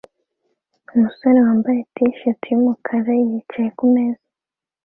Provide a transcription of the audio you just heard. Umusore wambaye t-shati yumukara yicaye kumeza